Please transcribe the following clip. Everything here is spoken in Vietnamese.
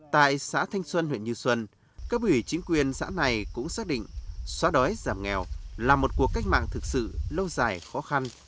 tại xã thanh xuân huyện như xuân cấp ủy chính quyền xã này cũng xác định xóa đói giảm nghèo là một cuộc cách mạng thực sự lâu dài khó khăn